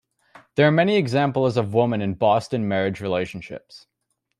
There are many examples of women in "Boston marriage" relationships.